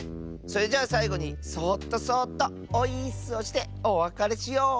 それじゃあさいごにそっとそっとオイーッスをしておわかれしよう。